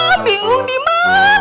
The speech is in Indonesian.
ah bingung diman